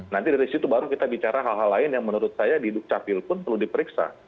jadi dari situ baru kita bicara hal hal lain yang menurut saya di dukcapil pun perlu diperiksa